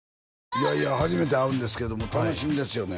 いやいや初めて会うんですけども楽しみですよね